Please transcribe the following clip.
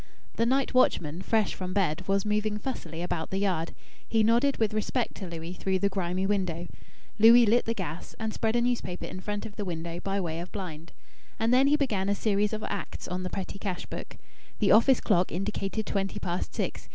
The night watchman, fresh from bed, was moving fussily about the yard. He nodded with respect to Louis through the grimy window. Louis lit the gas, and spread a newspaper in front of the window by way of blind. And then he began a series of acts on the petty cash book. The office clock indicated twenty past six.